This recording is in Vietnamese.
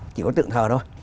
chỉ có tượng thờ thôi